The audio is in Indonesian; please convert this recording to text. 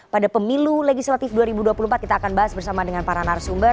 pada pemilu legislatif dua ribu dua puluh empat kita akan bahas bersama dengan para narasumber